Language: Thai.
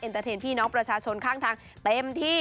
เตอร์เทนพี่น้องประชาชนข้างทางเต็มที่